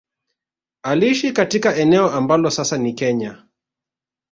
Aliishi katika eneo ambalo sasa ni Kenya